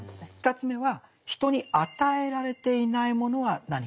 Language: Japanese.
２つ目は「人に与えられていないものは何か？」。